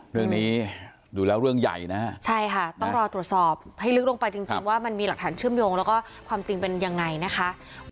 เรื่องนี้ดูแล้วเรื่องใหญ่นะฮะใช่ค่ะต้องรอตรวจสอบให้ลึกลงไปจริงว่ามันมีหลักฐานเชื่อมโยงแล้วก็ความจริงเป็นยังไงนะคะ